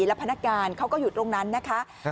ลับพนักการเขาก็หยุดตรงนั้นนะฮะ